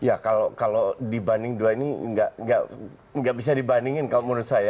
ya kalau dibanding dua ini nggak bisa dibandingin kalau menurut saya